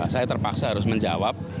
saya terpaksa harus menjawab